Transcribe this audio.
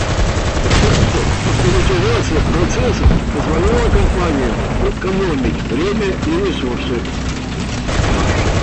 Автоматизация процессов позволяла компаниям сэкономить время и ресурсы.